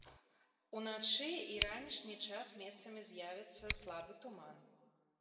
У начны і ранішні час месцамі з'явіцца слабы туман.